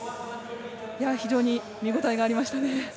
非常に見応えがありましたね。